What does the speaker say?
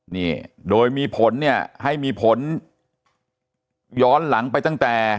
นี่โดยมีผลเนี่ยให้มีผลย้อนหลังไปตั้งแต่